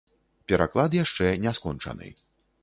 Пераклад яшчэ не скончаны.